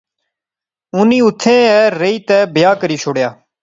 انی ایتھیں ایہہ رہی تہ بیاہ کری شوڑیا